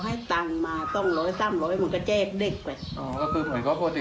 มันเองก็ไม่รู้ว่ารู้พระม่าเป็นแบบไหน